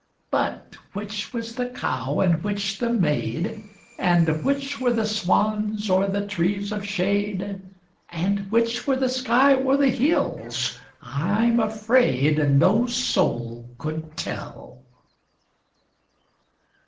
But which was the cow and which the maid, And which were the swans or the trees of shade, And which were the sky or the hills, I'm afraid, No soul could tell.